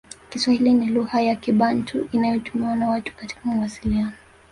Kiswahili ni lugha ya Kibantu inayotumiwa na watu katika mawasiliano